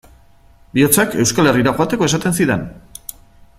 Bihotzak Euskal Herrira joateko esaten zidan.